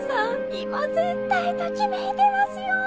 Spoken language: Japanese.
今絶対ときめいてますよ。